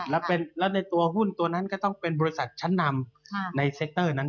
แล้วในตัวหุ้นตัวนั้นก็ต้องเป็นบริษัทชั้นนำในเซคเตอร์นั้น